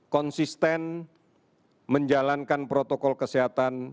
konsisten menjalankan protokol kesehatan